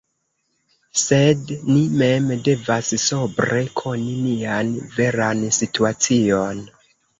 Sed ni mem devas sobre koni nian veran situacion.